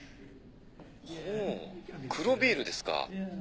ほう黒ビールですか。